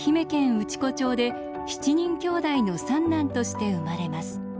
内子町で７人きょうだいの三男として生まれます。